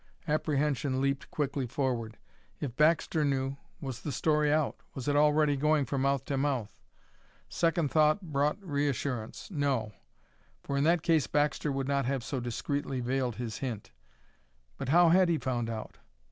Apprehension leaped quickly forward. If Baxter knew, was the story out? Was it already going from mouth to mouth? Second thought brought reassurance. No; for in that case Baxter would not have so discreetly veiled his hint. But how had he found out?